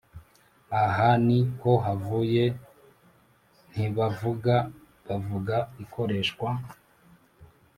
Ahani ho havuye Ntibavuga Bavuga ikoreshwa